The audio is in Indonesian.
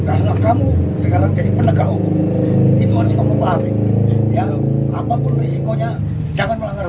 karena kamu sekarang jadi penegak hukum itu harus kamu pahami apapun risikonya jangan melanggar